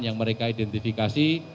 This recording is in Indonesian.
yang mereka identifikasi